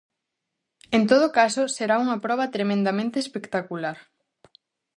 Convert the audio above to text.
En todo caso será unha proba tremendamente espectacular.